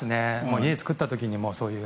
家を作った時にそういうの。